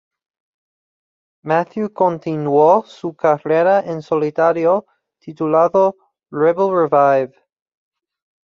Matthew continuo su carrera en solitario, titulado "Rebel Revive.